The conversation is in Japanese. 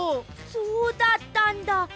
そうだったんだ。